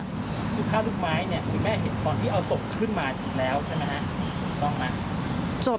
คุณผ้าลูกไม้คุณแม่เห็นตอนที่เอาศพขึ้นมาแล้วใช่ไหมคะ